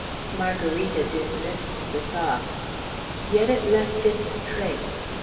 Margarita dismissed the thought; yet it left its trace.